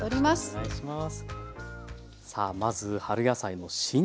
お願いします。